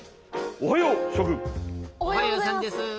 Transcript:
おはようさんです。